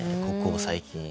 ここ最近。